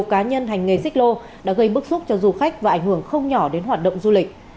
cá nhân hành nghề xích lô đã gây bức xúc cho du khách và ảnh hưởng không nhỏ đến hoạt động du lịch